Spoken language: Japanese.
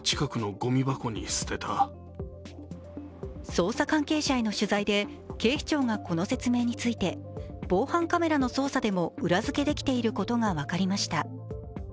捜査関係者への取材で警視庁がこの説明について、防犯カメラの捜査でも裏づけできていることが分かりました。